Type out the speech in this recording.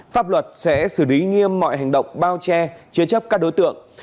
pháp luật sẽ xử lý nghiêm mọi hành động bao che chế chấp các đối tượng